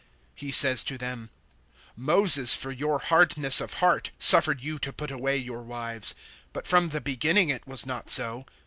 (8)He says to them: Moses, for your hardness of heart, suffered you to put away your wives; but from the beginning it was not so.